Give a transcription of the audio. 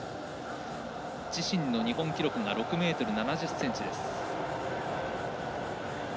自身の日本記録が６ｍ７０ｃｍです。